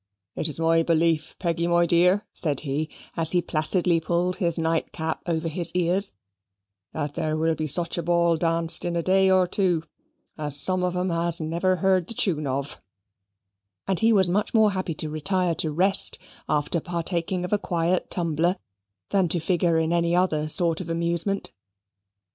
"It's my belief, Peggy, my dear," said he, as he placidly pulled his nightcap over his ears, "that there will be such a ball danced in a day or two as some of 'em has never heard the chune of"; and he was much more happy to retire to rest after partaking of a quiet tumbler, than to figure at any other sort of amusement.